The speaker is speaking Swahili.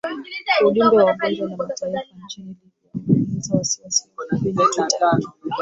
Ujumbe wa Umoja wa Mataifa nchini Libya ulielezea wasiwasi wake kwenye twitter